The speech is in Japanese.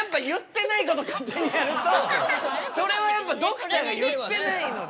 それはやっぱドクターが言ってないので。